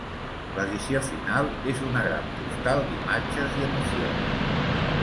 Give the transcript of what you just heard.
L'edició final és una gran postal d'imatges i emocions.